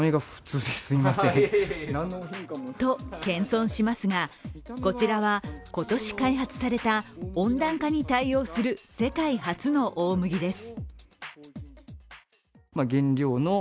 と謙遜しますが、こちらは今年開発された温暖化に対応する世界初の大麦です。